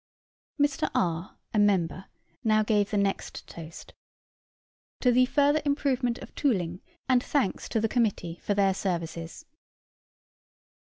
Mr. R., a member, now gave the next toast "To the further improvement of Tooling, and thanks to the Committee for their services."